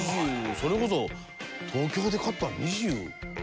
それこそ東京で買ったの。